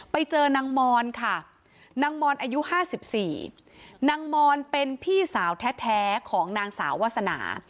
ไปเจอนางมอนค่ะนางมอนอายุ๕๔นางมอนเป็นพี่สาวแท้ของนางสาววาสนา